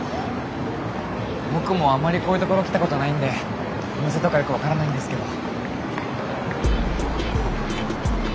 僕もあんまりこういうところ来たことないんでお店とかよく分からないんですけど。